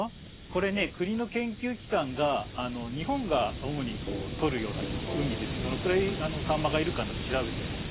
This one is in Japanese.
これね国の研究機関が日本が主に取るような海でどのくらいサンマがいるか調べたやつ。